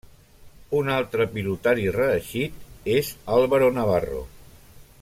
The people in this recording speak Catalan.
Un altre pilotari reeixit és Álvaro Navarro.